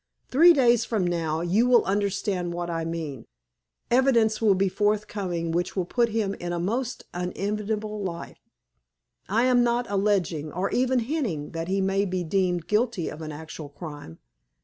Three days from now you will understand what I mean. Evidence will be forthcoming which will put him in a most unenviable light. I am not alleging, or even hinting, that he may be deemed guilty of actual crime.